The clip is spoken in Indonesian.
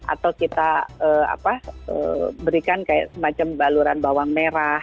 atau kita berikan kayak semacam baluran bawang merah